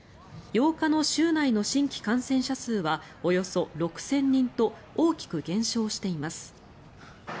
８日の州内の新規感染者数はおよそ６０００人と大きく減少しています。